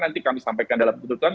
nanti kami sampaikan dalam keputusan